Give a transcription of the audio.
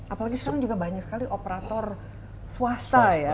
apalagi sekarang juga banyak sekali operator swasta ya